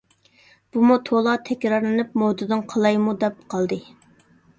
بۇمۇ تولا تەكرارلىنىپ مودىدىن قالايمۇ دەپ قالدى.